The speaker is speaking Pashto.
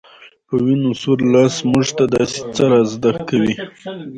په وينو سور لاس موږ ته داسې څه را زده کوي